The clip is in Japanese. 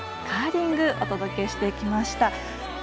カーリングお届けしてきました。